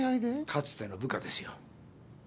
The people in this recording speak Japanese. かつての部下ですよ。